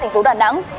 thành phố đà nẵng